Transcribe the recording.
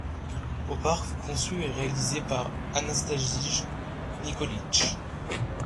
Le parc fut conçu et réalisé par Atanasije Nikolić.